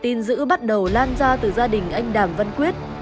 tin giữ bắt đầu lan ra từ gia đình anh đàm văn quyết